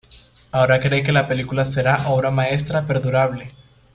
Ahora cree que la película será "Obra maestra perdurable".